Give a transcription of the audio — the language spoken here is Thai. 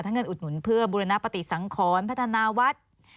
เงินอุดหนุนเพื่อบุรณปฏิสังขรพัฒนาวัด